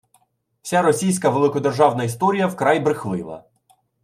вся російська великодержавна історія – вкрай брехлива